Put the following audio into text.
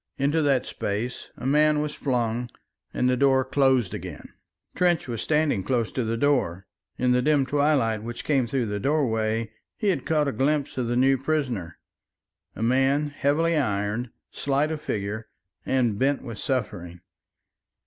Into that space a man was flung and the door closed again. Trench was standing close to the door; in the dim twilight which came through the doorway he had caught a glimpse of the new prisoner, a man heavily ironed, slight of figure, and bent with suffering.